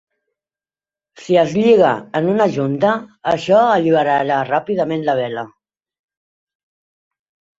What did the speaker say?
Si es lliga en una junta, això alliberarà ràpidament la vela.